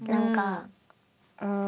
うん。